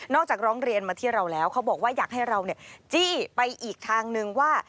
จากร้องเรียนมาที่เราแล้วเขาบอกว่าอยากให้เราจี้ไปอีกทางนึงว่า